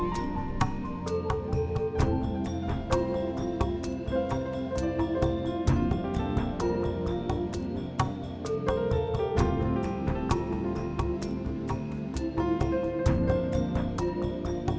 terbang tinggilah selalu engkau layang layang bali